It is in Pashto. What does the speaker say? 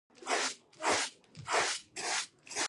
د افغانانو کلتور ډير پیاوړی دی.